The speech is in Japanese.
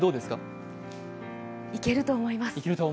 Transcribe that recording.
いけると思います。